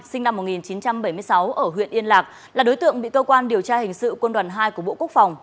sinh năm một nghìn chín trăm bảy mươi sáu ở huyện yên lạc là đối tượng bị cơ quan điều tra hình sự quân đoàn hai của bộ quốc phòng